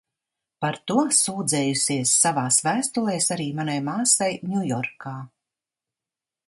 Par to sūdzējusies savās vēstulēs arī manai māsai Ņujorkā.